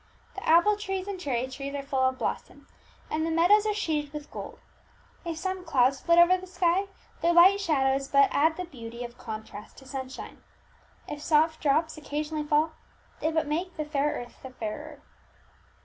The apple trees and cherry trees are full of blossom, and the meadows are sheeted with gold. If some clouds flit over the sky, their light shadows but add the beauty of contrast to sunshine. If soft drops occasionally fall, they but make the fair earth the fairer.